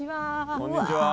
こんにちは。